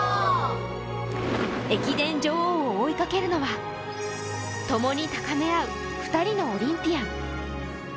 駅伝女王を追いかけるのは、ともに高め合う２人のオリンピアン。